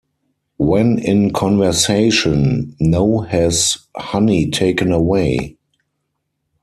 When in conversation, No has Honey taken away.